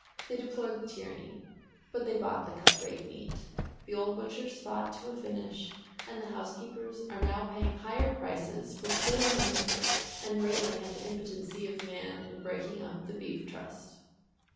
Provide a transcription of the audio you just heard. They deplored the tyranny, but they bought the cut rate meat the old butchers fought to a finish, and the housekeepers are now paying higher prices for poorer meat and railing at the impotency of man in breaking up the Beef Trust!